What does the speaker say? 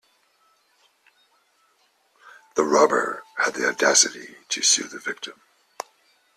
The robber had the audacity to sue the victim.